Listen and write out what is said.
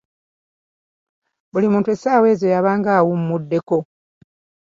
Buli muntu essaawa ezo yabanga awummuddeko.